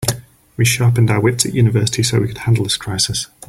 We sharpened our wits at university so we could handle this crisis.